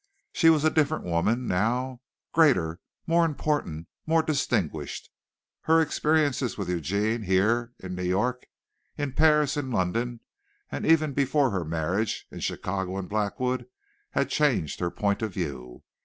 She was a different woman now, greater, more important, more distinguished. Her experiences with Eugene here in New York, in Paris, in London and even before her marriage, in Chicago and Blackwood, had changed her point of view.